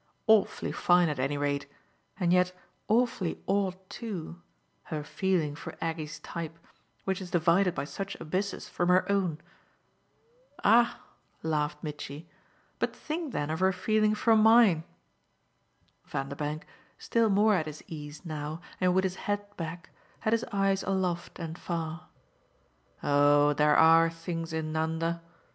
Awfully fine at any rate and yet awfully odd too her feeling for Aggie's type, which is divided by such abysses from her own." "Ah," laughed Mitchy, "but think then of her feeling for mine!" Vanderbank, still more at his ease now and with his head back, had his eyes aloft and far. "Oh there are things in Nanda